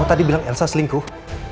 oh tadi bilang elsa selingkuh